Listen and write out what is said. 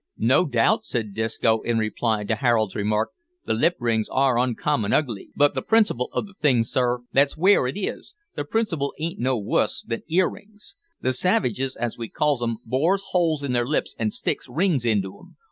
"No doubt," said Disco, in reply to Harold's remark, "the lip rings are uncommon ugly, but the principle o' the thing, sir, that's w'ere it is, the principle ain't no wuss than ear rings. The savages, as we calls 'em, bores holes in their lips an' sticks rings into 'em.